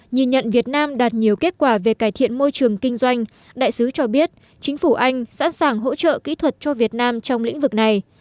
nhìn nhận việt nam đạt nhiều kết quả về cải thiện môi trường kinh doanh đại sứ cho biết chính phủ anh sẵn sàng hỗ trợ kỹ thuật cho việt nam trong lĩnh vực này